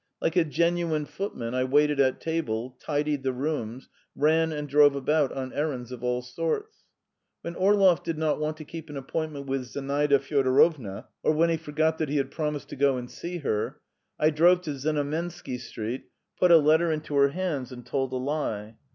Like a genuine footman, I waited at table, tidied the rooms, ran and drove about on errands of all sorts. When Orlov did not want to keep an appointment with Zinaida Fyodorovna, or when he forgot that he had promised to go and see her, I drove to Znamensky Street, put a letter into her hands and told a lie.